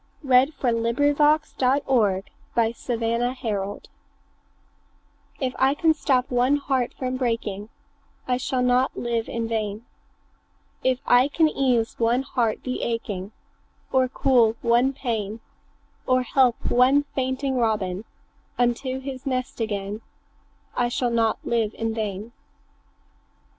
W X . Y Z If I Could Stop One Heart From Breaking IF I can stop one heart from breaking, I shall not live in vain; If I can ease one life the aching, Or cool one pain, Or help one fainting robin Unto his nest again, I shall not live in vain.